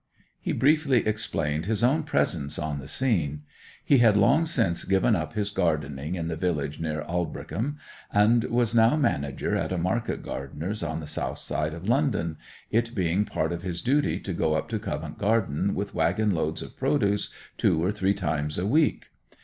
He briefly explained his own presence on the scene. He had long since given up his gardening in the village near Aldbrickham, and was now manager at a market gardener's on the south side of London, it being part of his duty to go up to Covent Garden with waggon loads of produce two or three times a week.